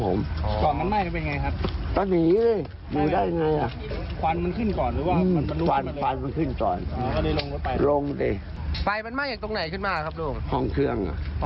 ก่อนมันไหม้มันเป็นไงครับก็หนีเลยหนีได้ยังไงล่ะควันมันขึ้นก่อนหรือว่าควันมันขึ้นก่อน